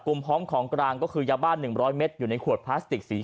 พร้อมของกลางก็คือยาบ้าน๑๐๐เมตรอยู่ในขวดพลาสติกสี